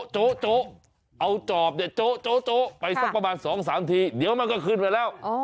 โจ๊ะเอาจอบเนี่ยโจ๊ไปสักประมาณ๒๓ทีเดี๋ยวมันก็ขึ้นไปแล้ว